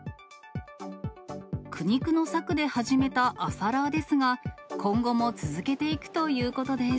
苦肉の策で始めた朝ラーですが、今後も続けていくということです。